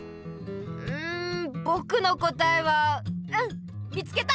んぼくのこたえはうん見つけた！